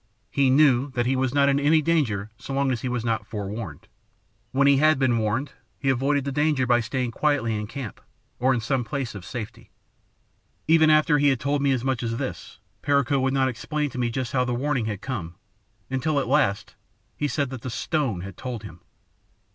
He knew that he was not in any danger so long as he was not forewarned. When he had been warned he avoided the danger by staying quietly in camp, or in some place of safety. "Even after he had told me as much as this, Perico would not explain to me just how the 'warning' had come, until, at last, he said that 'the stone' had told him.